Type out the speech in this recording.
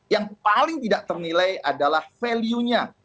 yang paling tidak ternilai adalah value nya